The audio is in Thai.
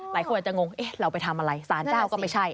หลายคนอาจจะงงเราไปทำอะไรสารเจ้าก็ไม่ใช่